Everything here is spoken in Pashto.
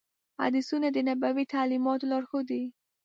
حدیثونه د نبوي تعلیماتو لارښود دي.